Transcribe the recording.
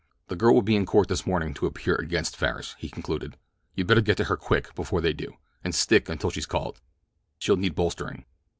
"The girl will be in court this morning to appear against Farris," he concluded. "You'd better get to her quick, before they do, and stick until she's called. She'll need bolstering."